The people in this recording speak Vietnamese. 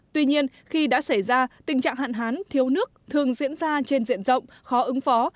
tuy nhiên khi đã xảy ra tình trạng hạn hán thiếu nước thường diễn ra trên diện rộng khó ứng phó